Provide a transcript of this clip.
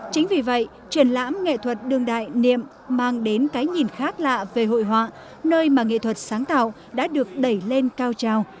chính vì vậy triển lãm nghệ thuật đường đại niệm mang đến cái nhìn khác lạ về hội họa nơi mà nghệ thuật sáng tạo đã được đẩy lên cao trào